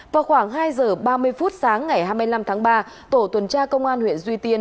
vào khoảng hai giờ ba mươi phút sáng ngày hai mươi năm tháng ba tổ tuần tra công an huyện duy tiên